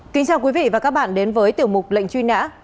kính chào quý vị và các bạn đến với tiểu mục lệnh truy nã